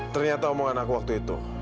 ternyata omongan aku waktu itu